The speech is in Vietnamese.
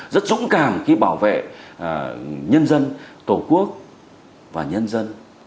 rất dũng cảm khi bảo vệ nhân dân tổ quốc và nhân dân